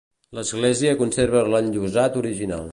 L'església conserva l'enllosat original.